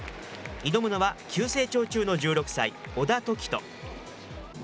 挑むのは急成長中の１６歳、小田凱人。